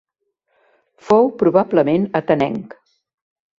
Fou probablement atenenc.